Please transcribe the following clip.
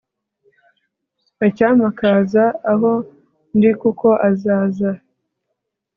Icyampa akaza aho ndiKuko azaza